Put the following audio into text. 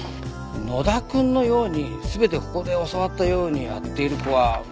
野田くんのように全てここで教わったようにやっている子は珍しい。